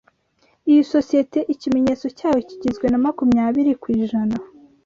Iyi sosiyete, ikimenyetso cyayo kigizwe na makumyabiri ku ijana